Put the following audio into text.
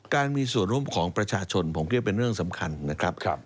การมีส่วนร่วมของประชาชนผมคิดว่าเป็นเรื่องสำคัญนะครับ